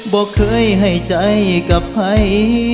บ่เคยให้ใจกลับให้